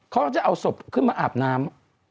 เขาจะเอาศพขึ้นมาอาบน้ำ